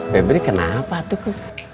febri kenapa tuh kum